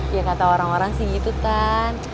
iya kata orang orang sih gitu tante